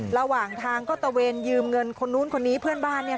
ระหว่างทางก็ทะเวณยืมเงินคนนู้นคนนี้พี่เป็นบ้าน